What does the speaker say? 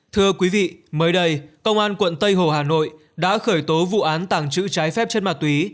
thưa quý vị mới đây công an quận tây hồ hà nội đã khởi tố vụ án tàng trữ trái phép chất ma túy